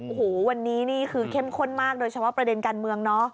โอ้โหวันนี้นี่คือเข้มข้นมากโดยเฉพาะประเด็นการเมืองเนาะ